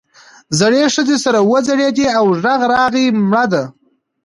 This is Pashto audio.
زړې ښځې سر وځړېد او غږ راغی مړه ده.